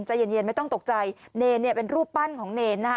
ใจเย็นเย็นไม่ต้องตกใจเนรเนี่ยเป็นรูปปั้นของเนรนะฮะ